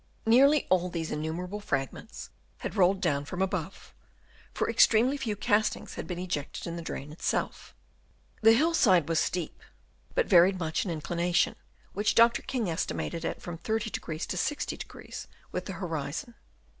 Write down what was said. Nearly all these in numerable fragments had rolled down from above, for extremely few castings had been ejected in the drain itself. The hill side was steep, but varied much in inclination, which Dr. King estimated at from 30° to 60° with the horizon.